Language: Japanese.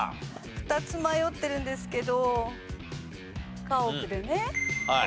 ２つ迷ってるんですけど家屋でね。